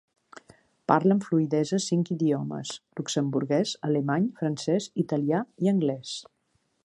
Parla amb fluïdesa cinc idiomes: luxemburguès, alemany, francès, italià i anglès.